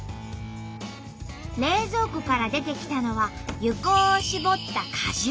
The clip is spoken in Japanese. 冷蔵庫から出てきたのは柚香を搾った果汁。